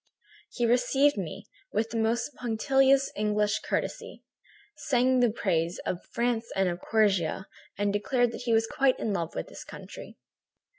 "He received me with the most punctilious English courtesy, sang the praises of France and of Corsica, and declared that he was quite in love with this country.